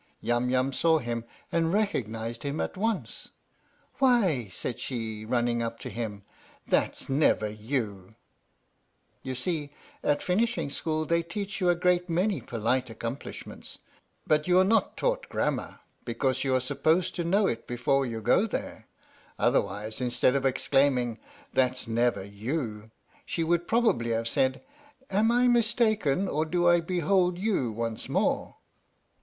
Yum Yum saw him and recognized him at once. "Why," said she, running up to him, "that's never you !" You see at a Finishing School they teach you a great many polite accomplishments, but you are not 37 THE STORY OF THE MIKADO taught grammar because you are supposed to know it before you go there, otherwise, instead of exclaim ing " that's never you !" she would probably have said : "Am I mistaken, or do I behold you once more